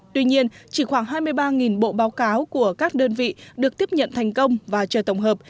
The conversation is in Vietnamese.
tuy nhiên chỉ khoảng hai mươi ba bộ báo cáo của các đơn vị được tiếp nhận thành công và trời tổng hợp